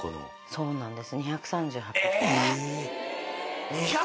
そうなんです。